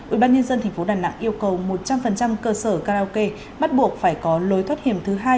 ủy ban nhân dân thành phố đà nẵng yêu cầu một trăm linh cơ sở karaoke bắt buộc phải có lối thoát hiểm thứ hai